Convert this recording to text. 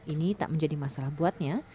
ini tak menjadi masalah buatnya